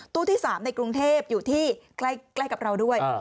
ที่๓ในกรุงเทพอยู่ที่ใกล้กับเราด้วย